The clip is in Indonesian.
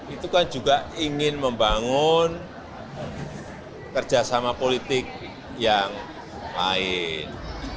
itu kan juga ingin membangun kerjasama politik yang lain